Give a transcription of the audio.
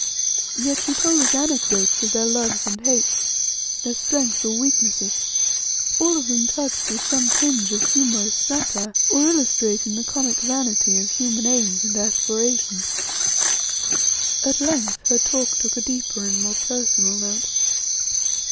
Yet she told us anecdotes of their loves and hates, their strength or weaknesses, all of them touched with some tinge of humorous satire, or illustrating the comic vanity of human aims and aspirations. At length her talk took a deeper and more personal note.